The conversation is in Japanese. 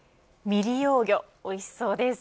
未利用魚、美味しそうです。